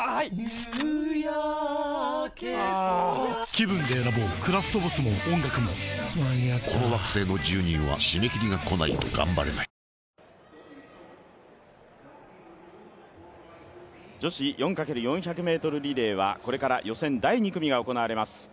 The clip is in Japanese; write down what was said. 気分で選ぼうクラフトボスも音楽も間に合ったこの惑星の住人は締め切りがこないとがんばれないゴクッ女子４×４００ｍリレーはこれから予選第２組が行われます。